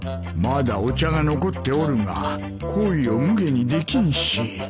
まだお茶が残っておるが厚意をむげにできんし